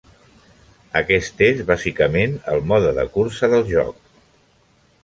Aquest és bàsicament el mode de cursa del joc.